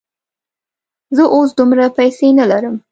زه اوس دومره پیسې نه لرم.